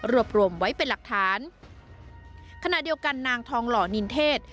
รวมรวมไว้เป็นหลักฐานขณะเดียวกันนางทองหล่อนินเทศ